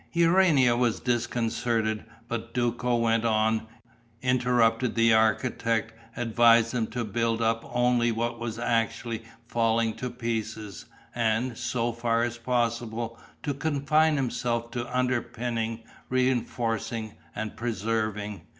Urania was disconcerted, but Duco went on, interrupted the architect, advised him to build up only what was actually falling to pieces, and, so far as possible, to confine himself to underpinning, reinforcing and preserving.